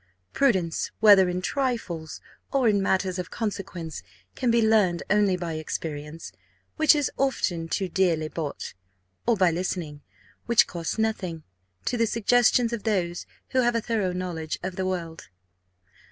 Prudence, whether in trifles or in matters of consequence, can be learned only by experience (which is often too dearly bought), or by listening, which costs nothing, to the suggestions of those who have a thorough knowledge of the world.